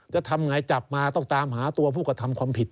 จะทำไงจับมาต้องตามหาตัวผู้กระทำความผิด